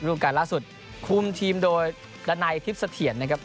รูปการล่าสุดคลุมทีมโดยละนายพิพธิ์สะเทียนนะครับ